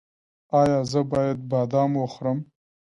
ایا زه باید بادام وخورم؟